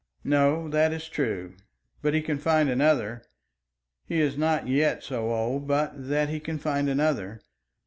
"No, that is true; but he can find another. He is not yet so old but that he can find another.